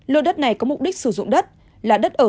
lô đất này có mục đích sử dụng đất là đất ở